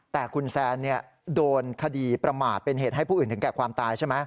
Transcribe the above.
แต่คุณแซนโดนคดีประมาทเป็นเหตุให้ผู้อื่นถึงแก่ความตายใช่ไหม